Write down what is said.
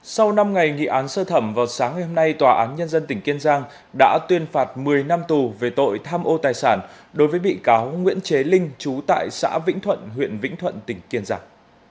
sau năm ngày nghị án sơ thẩm vào sáng ngày hôm nay tòa án nhân dân tỉnh kiên giang đã tuyên phạt một mươi năm tù về tội tham ô tài sản đối với bị cáo nguyễn chế linh chú tại xã vĩnh thuận huyện vĩnh thuận tỉnh kiên giang